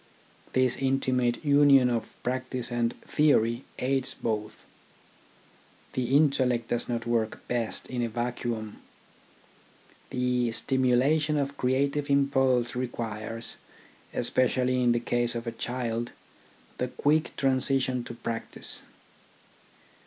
This intimate union of practice and theory aids both. The intellect does not work best in a vacuum. The stimula tion of creative impulse requires, especially in the case of a child, the quick transition to practice.